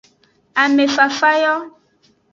Ame fafa yo.